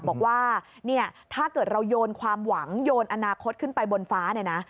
บอกว่าเนี่ยถ้าเกิดเราโยนความหวังโยนอนาคตขึ้นไปบนฟ้าเนี่ยนะ